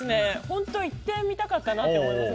本当に行ってみたかったなと思います。